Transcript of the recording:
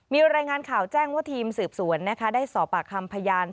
มีรายงานข่าวแจ้งว่าทีมสืบสวนนะคะได้สอบปากคำพยาน